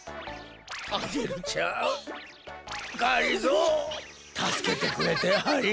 アゲルちゃんがりぞーたすけてくれてありがとう！